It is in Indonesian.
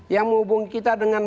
yang menghubungi kita dengan